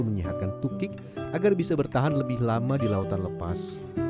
menyehatkan tukik agar bisa bertahan lebih lama di lautan lepas